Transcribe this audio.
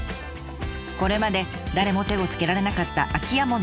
これまで誰も手をつけられなかった空き家問題。